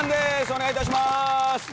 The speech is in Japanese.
お願いいたします！